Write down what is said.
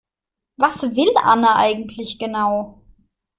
Was will Anne eigentlich genau?